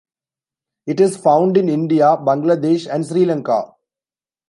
It is found in India, Bangladesh, and Sri Lanka.